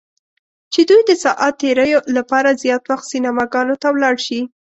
چې دوی د ساعت تیریو لپاره زیات وخت سینماګانو ته ولاړ شي.